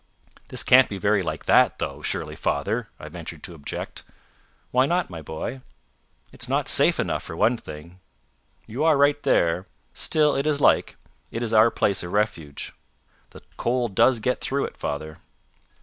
"This can't be very like that, though, surely, father," I ventured to object. "Why not, my boy?" "It's not safe enough, for one thing." "You are right there. Still it is like. It is our place of refuge." "The cold does get through it, father."